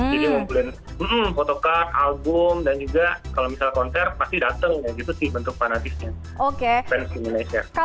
jadi ngumpulin photocard album dan juga kalau misalnya konser pasti dateng ya gitu sih bentuk fanatisme fans di indonesia